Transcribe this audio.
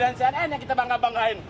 dan siangnya kita bangga banggain